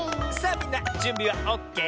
みんなじゅんびはオッケー？